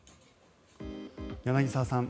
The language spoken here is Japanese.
柳澤さん